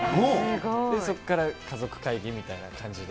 で、そこから家族会議みたいな感じで。